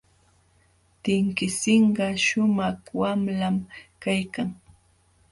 Tinkisinqa shumaq wamlam kaykan.